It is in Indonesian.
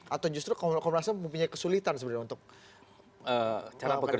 atau justru komnas ham mempunyai kesulitan sebenarnya untuk melakukan itu